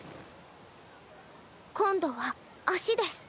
今度は脚です。